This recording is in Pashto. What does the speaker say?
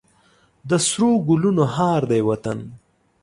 د سرو ګلونو هار دی وطن.